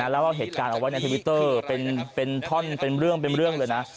แล้วว่าเหตุการณ์เอาไว้ในทวิตเตอร์เป็นเรื่องเลยนะ